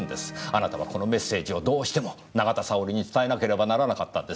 あなたはこのメッセージをどうしても永田沙織に伝えなければならなかったんです。